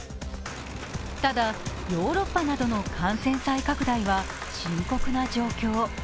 ただ、ヨーロッパなどの感染再拡大は深刻な状況。